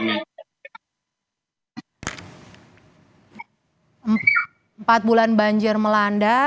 empat bulan banjir melanda